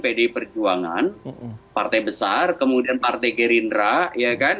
pdi perjuangan partai besar kemudian partai gerindra ya kan